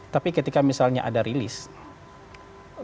tapi ketika misalnya ada release